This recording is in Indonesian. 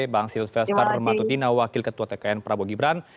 bang silvester matutina wakil ketua tkn prabowo gibran